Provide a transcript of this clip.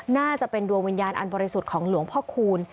น่าจะเป็นดวงวิญญาณอันบริสุทธิ์ของหลวงพ่อคูณ